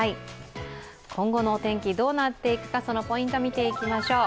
今後のお天気どうなっていくかポイントを見ていきましょう。